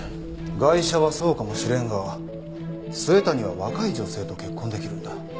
ガイシャはそうかもしれんが末谷は若い女性と結婚出来るんだ。